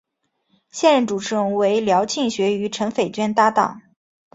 现任主持人为廖庆学与陈斐娟搭档。